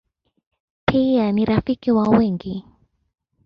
Pia ni rafiki wa wengi.